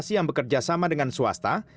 yang bekerja sama dengan swasta